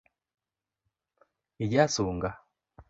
Ija sunga.